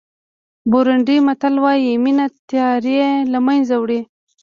بورونډي متل وایي مینه تیارې له منځه وړي.